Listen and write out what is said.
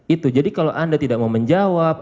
itu jadi kalau anda tidak mau menjawab